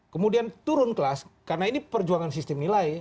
kemudian turun kelas karena ini perjuangan sistem nilai